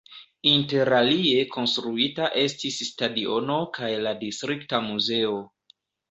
Interalie konstruita estis stadiono kaj la distrikta muzeo.